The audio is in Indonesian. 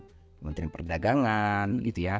kementerian perdagangan gitu ya